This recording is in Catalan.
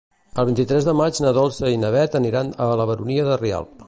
El vint-i-tres de maig na Dolça i na Beth aniran a la Baronia de Rialb.